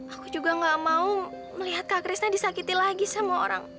aku juga gak mau melihat kak chrisnya disakiti lagi sama orang